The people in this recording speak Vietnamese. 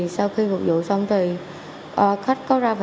sau khi phục vụ xong thì khách có ra phản ánh với dưỡng lý và chú hùng là